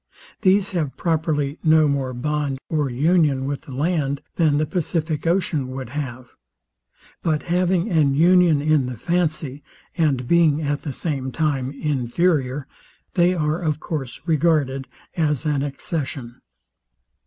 These have properly no more bond or union with the land, than the pacific ocean would have; but having an union in the fancy, and being at the same time inferior, they are of course regarded as an accession.